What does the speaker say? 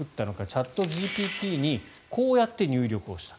チャットＧＰＴにこうやって入力をした。